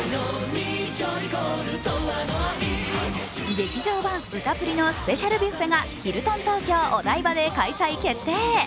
「劇場版うた☆プリ」のスペシャルビュッフェがヒルトン東京お台場で開催決定。